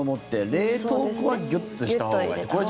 冷凍庫はギュッとしたほうがいい。